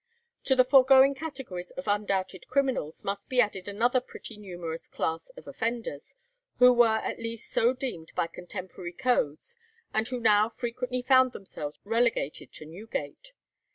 To the foregoing categories of undoubted criminals must be added another pretty numerous class of offenders, who were at least so deemed by contemporary codes, and who now frequently found themselves relegated to Newgate.